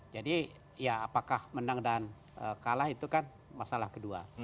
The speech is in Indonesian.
ya apakah menang dan kalah itu kan masalah kedua